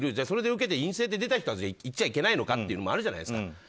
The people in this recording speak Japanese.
それで受けて陰性で出た人は行っちゃいけないのかというのもあるじゃないですか。